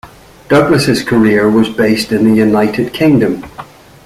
Douglas's career was based in the United Kingdom.